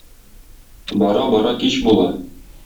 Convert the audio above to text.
Бара-бара кич була.